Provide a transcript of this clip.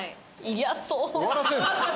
嫌そう。